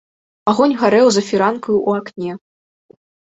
Агонь гарэў за фіранкаю ў акне.